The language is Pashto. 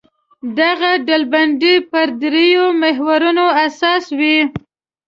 دغه ډلبندي پر درېیو محورونو اساس وي.